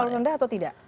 terlalu rendah atau tidak